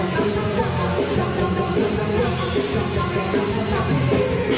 สวัสดีครับ